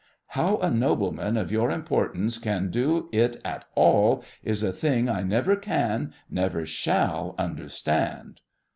How a nobleman of your importance can do it at all is a thing I never can, never shall understand.